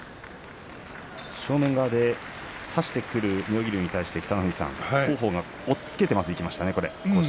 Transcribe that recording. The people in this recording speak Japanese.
正面側で差してくる妙義龍に対して、北の富士さん王鵬、押っつけてきましたね。